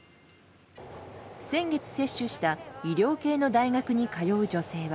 先月接種した医療系の大学に通う女性は。